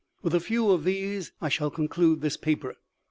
With a few of these I shall conclude this paper.